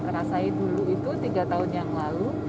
raksasa itu dulu itu tiga tahun yang lalu